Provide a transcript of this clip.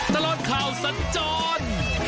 ตลอดข่าวสัญจร